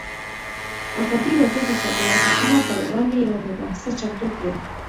ازادي راډیو د چاپیریال ساتنه پر وړاندې یوه مباحثه چمتو کړې.